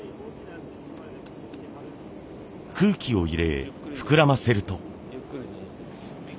空気を入れ膨らませると。